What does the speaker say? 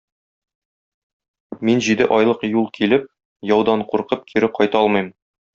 Мин җиде айлык юл килеп, яудан куркып кире кайта алмыйм.